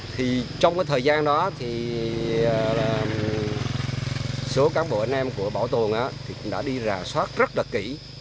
thì trong cái thời gian đó thì số cán bộ anh em của bảo tồn thì cũng đã đi rà soát rất là kỹ